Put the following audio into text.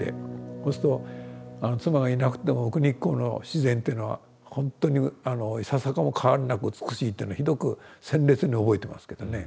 そうすると妻がいなくても奥日光の自然っていうのはほんとにいささかも変わりなく美しいっていうのをひどく鮮烈に覚えてますけどね。